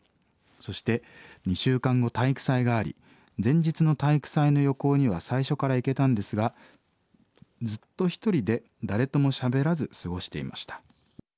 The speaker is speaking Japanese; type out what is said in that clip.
そして２週間後体育祭があり前日の体育祭の予行には最初から行けたんですがずっと一人で誰ともしゃべらず過ごしていました。